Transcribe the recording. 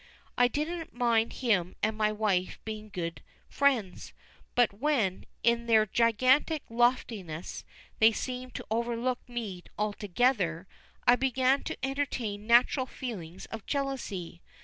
I didn't mind him and my wife being good friends; but when, in their gigantic loftiness, they seemed to overlook me altogether, I began to entertain natural feelings of jealousy.